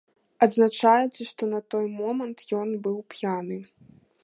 Адзначаецца, што на той момант ён быў п'яны.